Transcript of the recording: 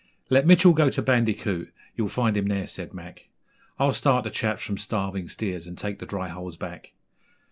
'Let Mitchell go to Bandicoot. You'll find him there,' said Mack. 'I'll start the chaps from Starving Steers, and take the dry holes back.'